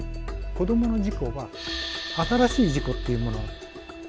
子どもの事故は新しい事故っていうものはありません。